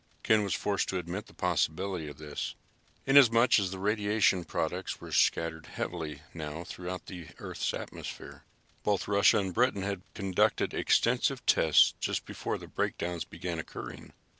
Ken was forced to admit the possibility of this, inasmuch as radiation products were scattered heavily now throughout the Earth's atmosphere. Both Russia and Britain had conducted extensive tests just before the breakdowns began occurring.